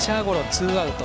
ツーアウト。